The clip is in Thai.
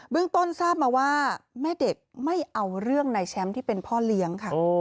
เรื่องต้นทราบมาว่าแม่เด็กไม่เอาเรื่องในแชมป์ที่เป็นพ่อเลี้ยงค่ะ